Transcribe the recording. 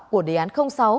của đề án sáu